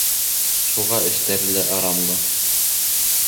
Шуға эштәре лә ырамлы.